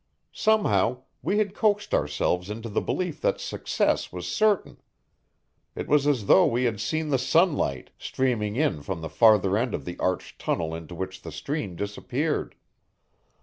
Somehow, we had coaxed ourselves into the belief that success was certain; it was as though we had seen the sunlight streaming in from the farther end of the arched tunnel into which the stream disappeared.